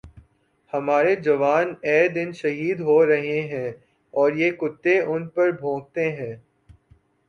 ہمارے جوان اے دن شہید ہو رہے ہیں اور یہ کتے ان پر بھونکتے ہیں